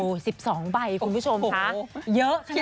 โอ้สิบสองใบคุณผู้ชมคะเยอะขนาดนี้